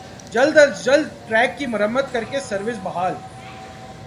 جلد از جلد ٹریک کی مرمت کر کے سروس بحال